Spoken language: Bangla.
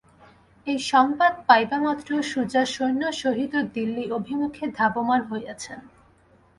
এই সংবাদ পাইবামাত্র সুজা সৈন্যসহিত দিল্লি-অভিমুখে ধাবমান হইয়াছেন।